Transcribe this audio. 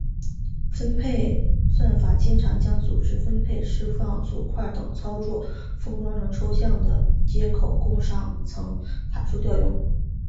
分配算法经常将组织分配释放组块等操作封装成抽象的接口供上层函数调用。